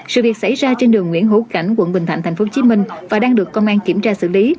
sự việc xảy ra trên đường nguyễn hữu cảnh quận bình thạnh tp hcm và đang được công an kiểm tra xử lý